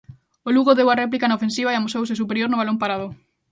O Lugo deu a réplica na ofensiva e amosouse superior no balón parado.